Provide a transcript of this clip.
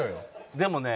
でもね